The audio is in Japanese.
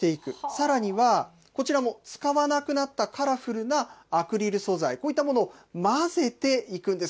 さらにはこちらも使わなくなったカラフルなアクリル素材、こういったものを混ぜていくんです。